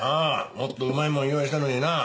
もっとうまいもん用意したのにな。